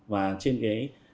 và trên cái